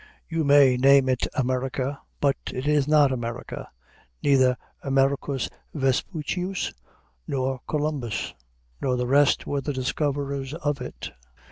You may name it America, but it is not America: neither Americus Vespucius, nor Columbus, nor the rest were the discoverers of it.